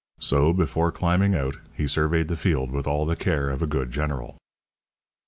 So, before climbing out, he surveyed the field with all the care of a good general.